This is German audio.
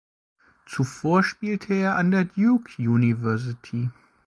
Zuvor spielte er an der Duke University.